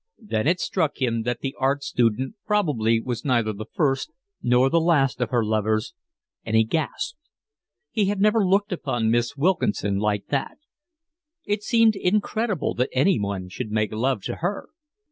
Then it struck him that the art student probably was neither the first nor the last of her lovers, and he gasped: he had never looked upon Miss Wilkinson like that; it seemed incredible that anyone should make love to her.